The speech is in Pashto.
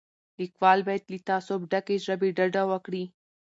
لیکوال باید له تعصب ډکې ژبې ډډه وکړي.